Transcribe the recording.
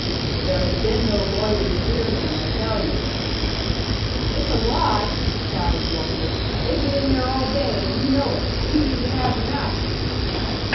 "There have been no lawyers near him, I tell you." "It's a lie!" shouted Wauchope. "They been in there all day, and you know it. We mean to have them out."